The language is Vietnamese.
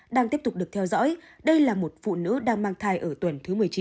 đang tiếp tục được theo dõi đây là một phụ nữ đang mang thai ở tuần thứ một mươi chín